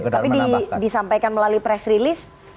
tapi disampaikan melalui press release